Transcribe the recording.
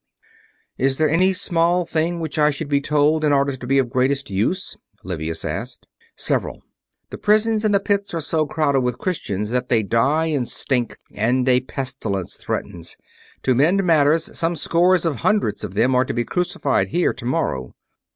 "Is there any small thing which I should be told in order to be of greatest use?" Livius asked. "Several. The prisons and the pits are so crowded with Christians that they die and stink, and a pestilence threatens. To mend matters, some scores of hundreds of them are to be crucified here tomorrow."